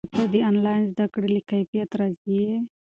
ایا ته د آنلاین زده کړې له کیفیت راضي یې؟